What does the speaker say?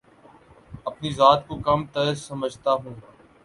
اپنی ذات کو کم تر سمجھتا ہوں